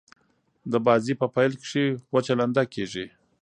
د بازي په پیل کښي وچه لنده کیږي.